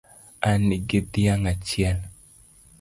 An gi dhiang' achiel